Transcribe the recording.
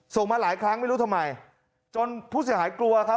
มาหลายครั้งไม่รู้ทำไมจนผู้เสียหายกลัวครับ